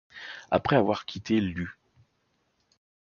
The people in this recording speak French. Après avoir quitté l'U.